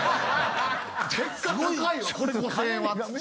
結果高いわこれ５０００円はつって。